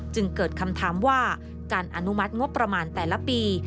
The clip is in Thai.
จึงเกิดคำถามว่าการอนุมัติงบประมาณแต่ละปี